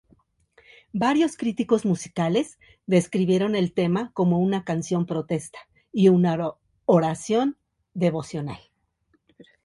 Varios críticos musicales describieron el tema como una canción protesta y una oración devocional.